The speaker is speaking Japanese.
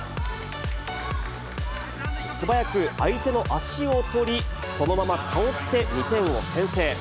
素早く相手の足を取り、そのまま倒して２点を先制。